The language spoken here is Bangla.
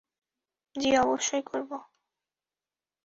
জি, অবশ্যই করবো।